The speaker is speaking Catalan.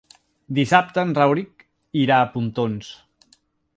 Dissabte en Rauric irà a Pontons.